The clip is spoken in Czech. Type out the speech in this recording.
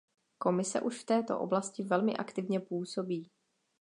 Komise už v této oblasti velmi aktivně působí.